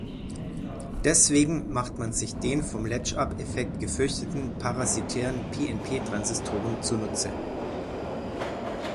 Deswegen macht man sich den vom Latch-Up-Effekt gefürchteten „parasitären“ pnp-Transistoren zu nutze.